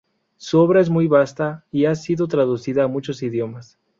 Su obra es muy vasta y ha sido traducida a muchos idiomas.